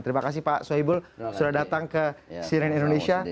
terima kasih pak soebul sudah datang ke cnn indonesia